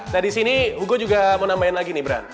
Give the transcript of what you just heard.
nah disini hugo juga mau nambahin lagi nih gibran